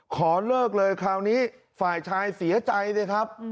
ขอเลิกเลยคราวนี้ฝ่ายชายเสียใจสิครับ